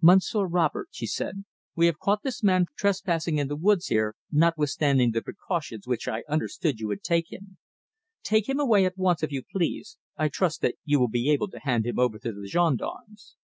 "Monsieur Robert," she said, "we have caught this man trespassing in the woods here, notwithstanding the precautions which I understood you had taken. Take him away at once, if you please. I trust that you will be able to hand him over to the gendarmes."